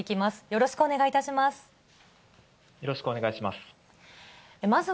よろしくお願いします。